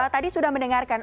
tadi sudah mendengarkan